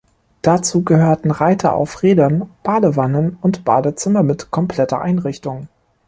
Dazu gehörten Reiter auf Rädern, Badewannen und Badezimmer mit kompletter Einrichtung.